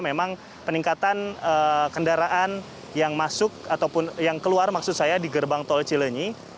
memang peningkatan kendaraan yang keluar di gerbang tol cilenyi